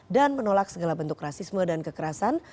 dan menolak segala bentuk rasisme dan kekerasan